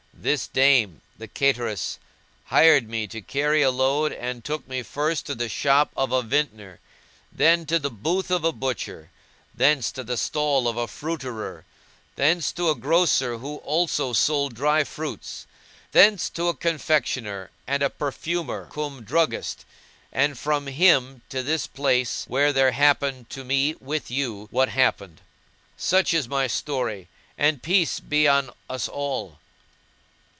This dame, the cateress, hired me to carry a load and took me first to the shop of a vintner, then to the booth of a butcher; thence to the stall of a fruiterer; thence to a grocer who also sold dry fruits; thence to a confectioner and a perfumer cum druggist and from him to this place where there happened to me with you what happened. Such is my story and peace be on us all!"